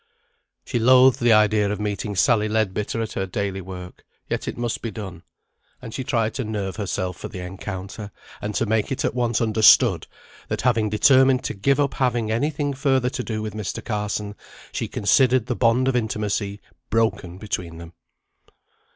She loathed the idea of meeting Sally Leadbitter at her daily work; yet it must be done, and she tried to nerve herself for the encounter, and to make it at once understood, that having determined to give up having any thing further to do with Mr. Carson, she considered the bond of intimacy broken between them.